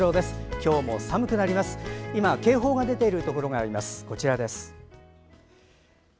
今、警報が出ているところがあります。